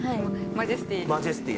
マジェスティ。